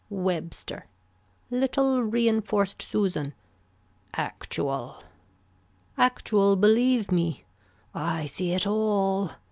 Webster. Little reinforced Susan. Actual. Actual believe me. I see it all.